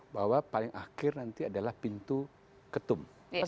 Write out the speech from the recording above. bahwa paling akhir nanti adalah pintu ketum